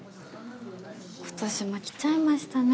今年も来ちゃいましたね